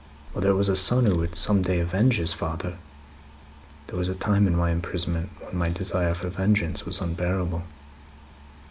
Whether it was a son who would some day avenge his father. (There was a time in my imprisonment, when my desire for vengeance was unbearable.)